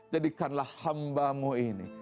jadikanlah hambamu ini